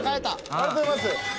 ありがとうございます。